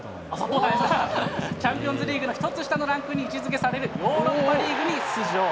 チャンピオンズリーグの１つ下のランクに位置づけされるヨーロッパリーグに出場。